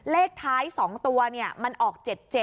เลขท้าย๒ตัวมันออก๗๗